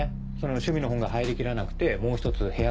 趣味の本が入り切らなくてもう１つ部屋